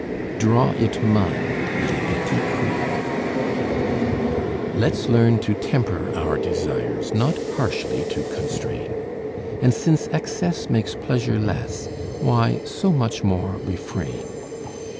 DRAW IT MILD (LES PETITS COUPS) Let's learn to temper our desires, Not harshly to constrain; And since excess makes pleasure less, Why, so much more refrain.